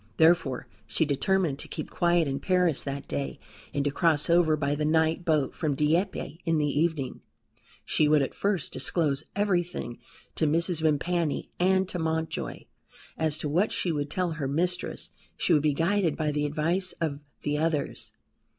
Therefore, she determined to keep quiet in Paris that day and to cross over by the night boat from Dieppe in the evening. She would at first disclose everything to Mrs. Vimpany and to Mountjoy. As to what she would tell her mistress she would be guided by the advice of the others.